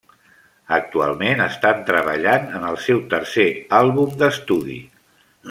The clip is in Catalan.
Actualment estan treballant en el seu tercer àlbum d'estudi.